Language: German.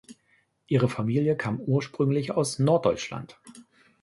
Ihre Familie kam ursprünglich aus Norddeutschland.